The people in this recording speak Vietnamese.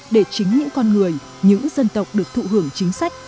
để chính những con người những dân tộc được thụ hưởng chính sách